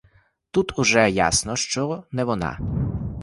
Тут уже ясно, що не вона.